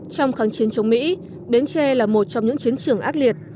trong kháng chiến chống mỹ bến tre là một trong những chiến trường ác liệt